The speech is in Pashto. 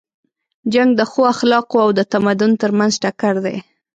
جنګ د ښو اخلاقو او د تمدن تر منځ ټکر دی.